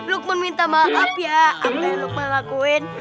lukman minta maaf ya apa yang lukman lakuin